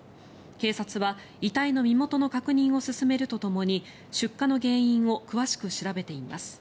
警察は、遺体の身元の確認を進めるとともに出火の原因を詳しく調べています。